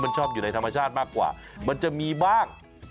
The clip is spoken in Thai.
มันชอบอยู่ในธรรมชาติมากกว่ามันจะมีบ้าง